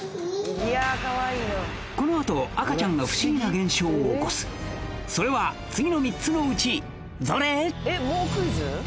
このあと赤ちゃんが不思議な現象を起こすそれは次の３つのうちどれ？